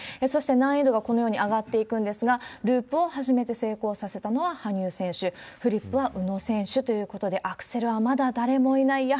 そして難易度がこのように上がっていくんですが、ループを初めて成功させたのは羽生選手、フリップは宇野選手ということで、アクセルはまだ誰もいない。